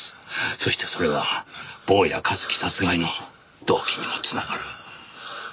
そしてそれは坊谷一樹殺害の動機にも繋がる。